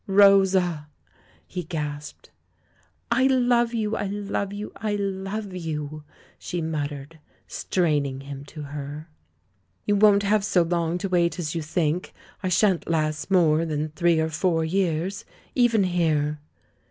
"Rosa!" he gasped. "I love you! I love you! I love you!" she mut tered, straining him to her. "You won't have so long to wait as you think — I shan't last more than three or four years, even here!"